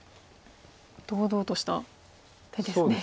堂々とした手ですね。